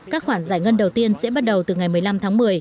các khoản giải ngân đầu tiên sẽ bắt đầu từ ngày một mươi năm tháng một mươi